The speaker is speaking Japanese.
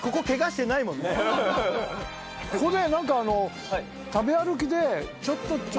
ここで。